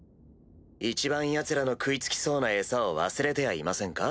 一番ヤツらの食い付きそうな餌を忘れてやいませんか？